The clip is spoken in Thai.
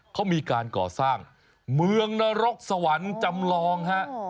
เขามีการก่อสร้างเมืองนรกสวรรค์จำลองฮะ